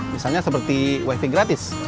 misalnya seperti wafing gratis